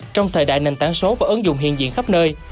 trong thời đại nền tảng số và ứng dụng hiện diện khắp nơi